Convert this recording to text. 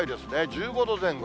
１５度前後。